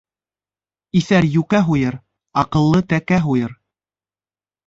Иҫәр йүкә һуйыр, аҡыллы тәкә һуйыр.